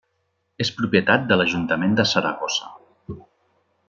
És propietat de l'Ajuntament de Saragossa.